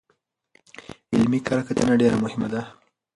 علمي کره کتنه ډېره مهمه ده.